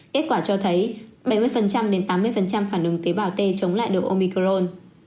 kết quả cho thấy bảy mươi đến tám mươi phản ứng tế bào t chống lại được omicron